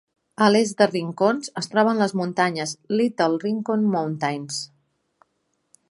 A l'est de Rincons es troben les muntanyes Little Rincon Mountains.